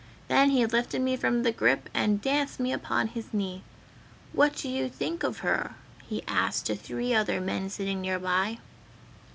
Then he lifted me from the grip and danced me upon his knee. 'What do you think of her?' he asked to three other men sitting nearby.